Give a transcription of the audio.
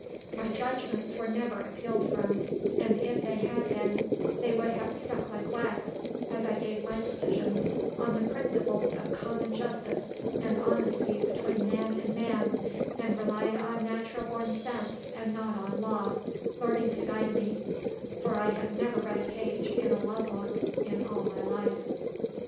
My judgments were never appealed from, and if they had been they would have stuck like wax, as I gave my decisions on the principles of common justice and honesty between man and man, and relied on natural born sense, and not on law, learning to guide me; for I had never read a page in a law book in all my life.